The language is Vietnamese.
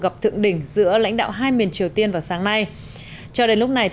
gặp thượng đỉnh giữa lãnh đạo hai miền triều tiên vào sáng nay cho đến lúc này